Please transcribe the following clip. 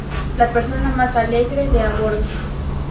La persona más alegre de a bordo.